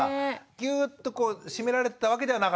ギューッとこう締められてたわけではなかったんですね。